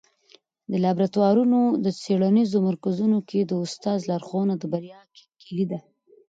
په لابراتوارونو او څېړنیزو مرکزونو کي د استاد لارښوونه د بریا کيلي ده.